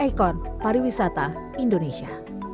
ikon pariwisata indonesia